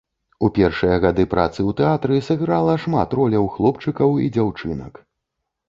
У першыя гады працы ў тэатры сыграла шмат роляў хлопчыкаў і дзяўчынак.